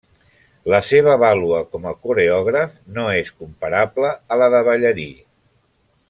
La seva vàlua com a coreògraf no és comparable a la de ballarí.